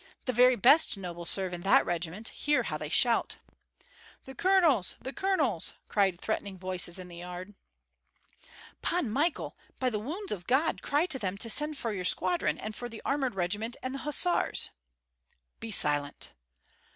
The very best nobles serve in that regiment. Hear how they shout!" "The colonels! the colonels!" cried threatening voices in the yard. "Pan Michael! by the wounds of God, cry to them to send for your squadron and for the armored regiment and the hussars." "Be silent!"